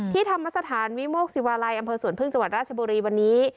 ธรรมสถานวิโมกศิวาลัยอำเภอสวนพึ่งจังหวัดราชบุรีวันนี้